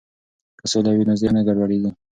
که سوله وي نو ذهن نه ګډوډیږي.